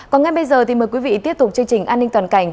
còn ngay bây giờ thì mời quý vị tiếp tục chương trình an ninh toàn cảnh